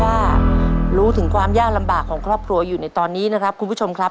ว่ารู้ถึงความยากลำบากของครอบครัวอยู่ในตอนนี้นะครับคุณผู้ชมครับ